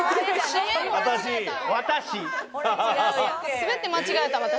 スベって間違えた私。